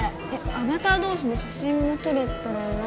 アバター同士で写真も撮れたらな